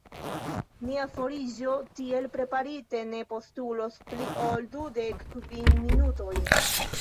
Nia foriĝo, tiel preparite, ne postulos pli ol dudek kvin minutoj.